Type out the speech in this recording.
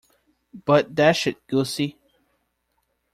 But, dash it, Gussie.